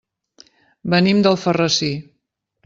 Venim d'Alfarrasí.